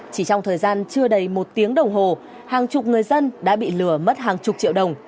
chỉ trong thời gian chưa đầy một tiếng đồng hồ hàng chục người dân đã bị lừa mất hàng chục triệu đồng